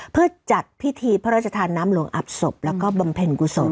เพื่อจัดพิธีพระราชทานน้ำหลวงอับศพแล้วก็บำเพ็ญกุศล